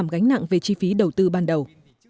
gánh nặng về chi phí đầu tư ban đầu